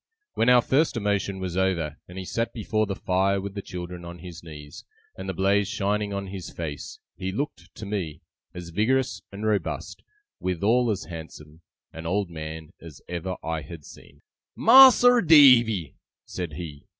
When our first emotion was over, and he sat before the fire with the children on his knees, and the blaze shining on his face, he looked, to me, as vigorous and robust, withal as handsome, an old man, as ever I had seen. 'Mas'r Davy,' said he.